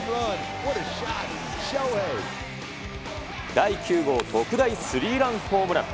第９号特大スリーランホームラン。